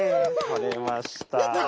取れました。